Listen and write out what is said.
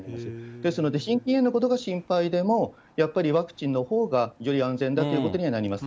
ですので、心筋炎のことが心配でも、やっぱりワクチンのほうがより安全だということにはなります。